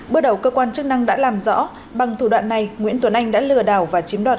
bước đầu cơ quan chức năng đã làm rõ bằng thủ đoạn này nguyễn tuấn anh đã lừa đảo và chiếm đoạt